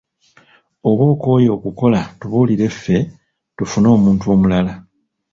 Oba okooye okukola tubuulire ffe tufune omuntu omulala.